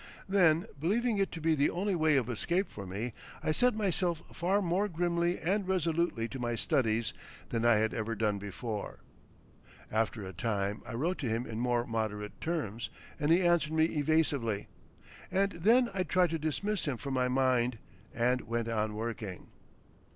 Then, believing it to be the only way of escape for me, I set myself far more grimly and resolutely to my studies than I had ever done before. After a time I wrote to him in more moderate terms, and he answered me evasively. And then I tried to dismiss him from my mind and went on working.